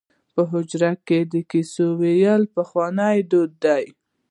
په حجره کې د کیسو ویل پخوانی دود دی.